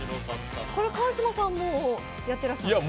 川島さんもやっていらしたんですか？